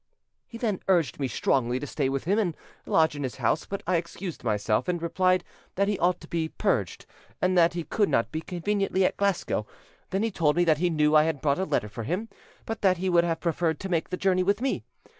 "He then urged me strongly to stay with him and lodge in his house; but I excused myself, and replied that he ought to be purged, and that he could not be, conveniently, at Glasgow; then he told me that he knew I had brought a letter for him, but that he would have preferred to make the journey with me.